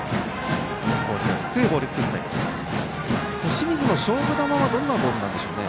清水の勝負球はどんなボールなんでしょうね。